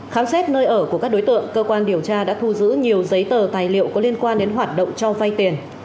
khám xét nơi ở của các đối tượng cơ quan điều tra đã thu giữ nhiều giấy tờ tài liệu có liên quan đến hoạt động cho vay tiền